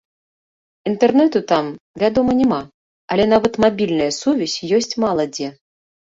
Інтэрнэту там, вядома, няма, але нават мабільная сувязь ёсць мала дзе.